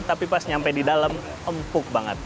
tapi pas nyampe di dalam empuk banget